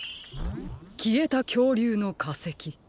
きえたきょうりゅうのかせき。